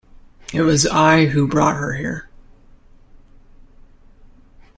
It was I who brought her here.